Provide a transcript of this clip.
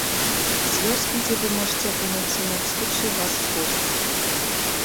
З вёскі, дзе вы можаце апынуцца, на экскурсію вас звозяць.